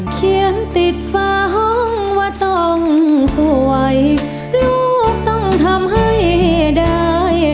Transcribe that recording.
เขียนติดฟ้าห้องว่าต้องสวยลูกต้องทำให้ได้